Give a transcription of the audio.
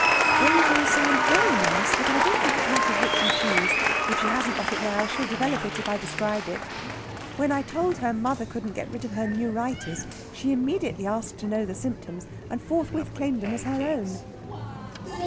"Those all sound very nice. But I don't think it matters which you choose. If she hasn't got it now, she'll develop it if I describe it. When I told her mother couldn't get rid of her neuritis, she immediately asked to know the symptoms, and forthwith claimed them as her own.